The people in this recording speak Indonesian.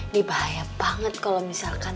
dibahaya banget kalau misalkan